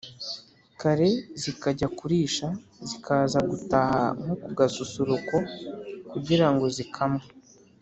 kare zikajya kurisha, zikaza gutaha nko ku gasusuruko kugira ngo zikamwe.